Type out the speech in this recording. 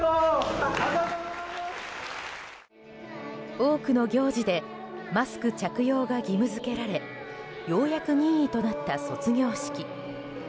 多くの行事でマスク着用が義務付けられようやく任意となった卒業式。